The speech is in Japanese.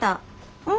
うん。